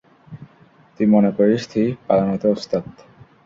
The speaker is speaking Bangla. তুই মনে করিস তুই পালানোতে ওস্তাদ।